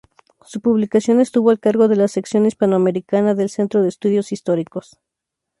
Su publicación estuvo al cargo de la Sección Hispanoamericana del Centro de Estudios Históricos.